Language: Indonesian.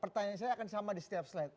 pertanyaan saya akan sama di setiap slide